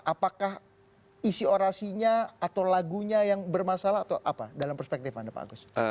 apakah isi orasinya atau lagunya yang bermasalah atau apa dalam perspektif anda pak agus